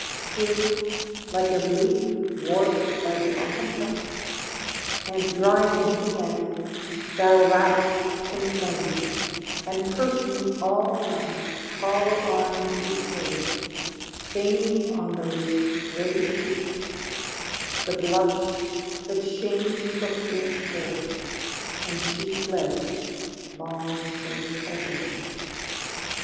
Still, like a leaf warped by the autumn gust, And driving to the end, thou wrapp'st in flame And perfume all thy hollow eyed decay, Feigning on those gray cheeks the blush that Shame Took with her when she fled long since away.